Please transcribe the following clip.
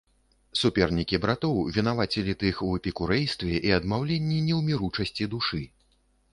Супернікі братоў вінавацілі тых у эпікурэйстве і адмаўленні неўміручасці душы.